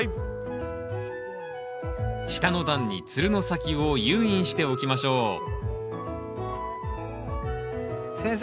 下の段につるの先を誘引しておきましょう先生